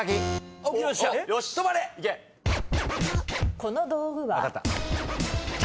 この道具は？茶筅！